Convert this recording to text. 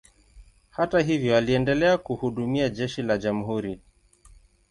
Hata hivyo, aliendelea kuhudumia jeshi la jamhuri.